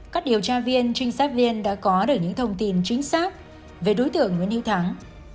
các điều tra viên trinh sát viên đã có được những thông tin chính xác về đối tượng nguyễn hữu thắng